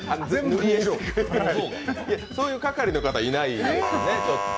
そういう係の人はいないんですよね。